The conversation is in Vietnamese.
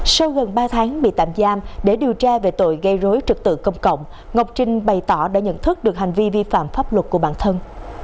sau gần ba tháng bị tạm giam để điều tra về tội gây rối trực tự công cộng ngọc trinh bày tỏ đã nhận thức được hành vi vi phạm pháp luật của bản thân